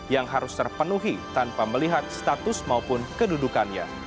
yang harus terpenuhi tanpa melihat status maupun kedudukannya